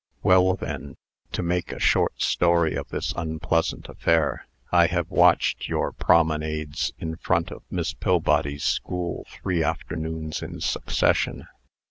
"Well, then, to make a short story of this unpleasant affair, I have watched your promenades in front of Miss Pillbody's school three afternoons in succession.